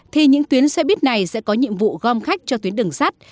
thì những tuyến xe buýt này sẽ có nhiệm vụ gom khách cho tuyến đường sắt